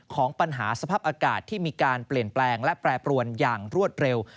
ของปัญหาสภาพอากาศที่มีการเปลี่ยนแปลงและแปรปรวนอย่างรวดเร็ว